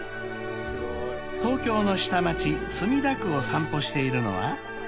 ［東京の下町墨田区を散歩しているのは］